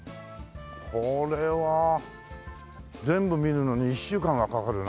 これは全部見るのに１週間はかかるな。